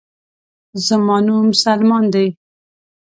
زما نوم سلمان دے